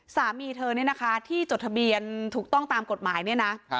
สามีเธอเนี่ยนะคะที่จดทะเบียนถูกต้องตามกฎหมายเนี่ยนะ